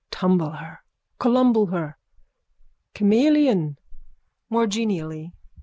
Tumble her. Columble her. Chameleon. _(More genially.)